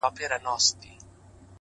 • زما په سترگو كي را رسم كړي؛